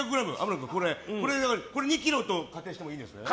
これが２ｋｇと仮定していいんですよね。